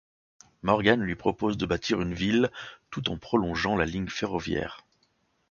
Morgan lui propose de bâtir une ville, tout en prolongeant la ligne ferroviaire.